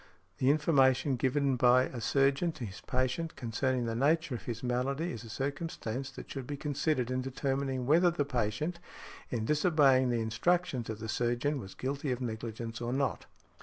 The information given by a surgeon to his patient concerning the nature of his malady is a circumstance that should be considered in determining whether the patient, in disobeying the instructions of the surgeon, was guilty of negligence or not .